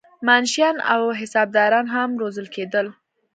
منشیان او حسابداران هم روزل کېدل.